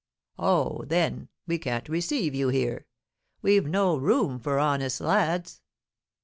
'Oh, then we can't receive you here we've no room for honest lads.'"